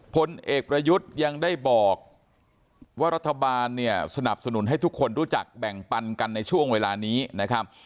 พลเอกประยุทธ์ยังได้บอกว่ารัฐบาลเนี่ยสนับสนุนให้ทุกคนรู้จักแบ่งปันกันในช่วงเวลานี้นะครับ